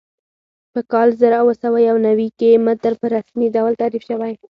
په کال زر اووه سوه یو نوي کې متر په رسمي ډول تعریف شوی.